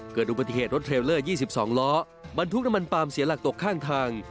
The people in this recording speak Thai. เกิดอุบัติเหตุรถเทรลเลอร์๒๒ล้อบรรทุกน้ำมันปลามเสียหลักตกข้างทาง